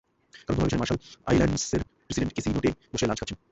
কারণ তোমার পেছনে মার্শাল আইল্যান্ডসের প্রেসিডেন্ট কেসি নোটে বসে লাঞ্চ খাচ্ছেন।